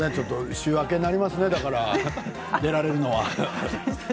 週明けになりますね、だから出られるのは。